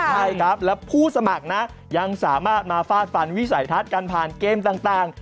ใช่ครับแล้วผู้สมัครนะยังสามารถมาฟาดฟันวิสัยทัศน์กันผ่านเกมต่าง